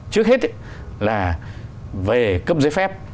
trước hết là về cấp giấy phép